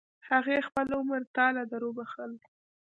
هغې خپل عمر تا له دروبخل.